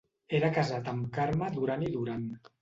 Era casat amb Carme Duran i Duran.